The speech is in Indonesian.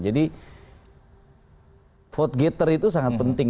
jadi votegator itu sangat penting